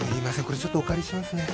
これちょっとお借りしますね。